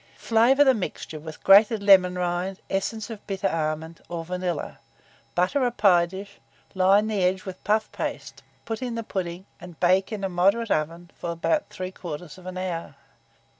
Flavour the mixture with grated lemon rind, essence of bitter almonds, or vanilla; butter a pie dish; line the edges with puff paste, put in the pudding, and bake in a moderate oven for about 3/4 hour.